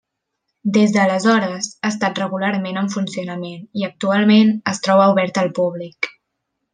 Des d'aleshores ha estat regularment en funcionament, i actualment es troba obert al públic.